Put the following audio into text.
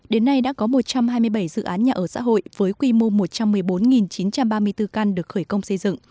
đến nay đã có một trăm hai mươi bảy dự án nhà ở xã hội với quy mô một trăm một mươi bốn chín trăm ba mươi bốn căn được khởi công xây dựng